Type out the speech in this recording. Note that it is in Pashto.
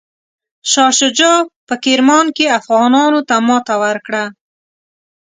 شاه شجاع په کرمان کې افغانانو ته ماته ورکړه.